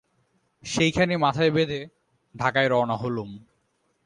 সেইখানি মাথায় বেঁধে ঢাকায় রওনা হলুম।